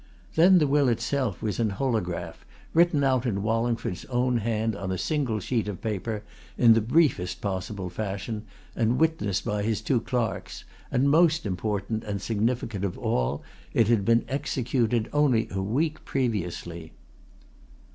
Then the will itself was in holograph, written out in Wallingford's own hand on a single sheet of paper, in the briefest possible fashion, and witnessed by his two clerks. And, most important and significant of all, it had been executed only a week previously.